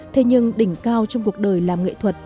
thế nhưng đỉnh cao trong cuộc đời làm nghệ thuật